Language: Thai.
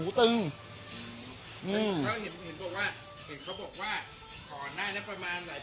แต่เขาเห็นเห็นบอกว่าเห็นเขาบอกว่าก่อนหน้านั้นประมาณหลาย